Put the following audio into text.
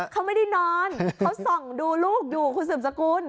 เขาไม่ได้นอนเขาส่องดูลูกอยู่คุณสืบสกุล